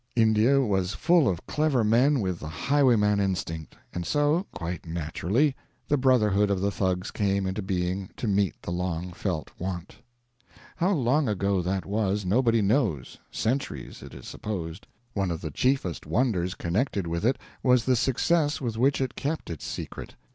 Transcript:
India was full of clever men with the highwayman instinct, and so, quite naturally, the brotherhood of the Thugs came into being to meet the long felt want. How long ago that was nobody knows centuries, it is supposed. One of the chiefest wonders connected with it was the success with which it kept its secret.